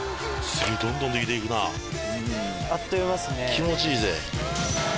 気持ちいいぜ。